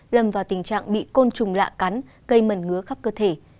đầm vào tình trạng bị côn trùng lạ cắn gây mẩn ngứa khắp cơ thể